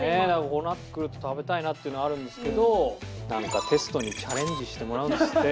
こうなってくると食べたいなってなるんですけどなんかテストにチャレンジしてもらうんですって。